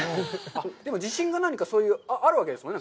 でも、自信か何かあるわけですもんね？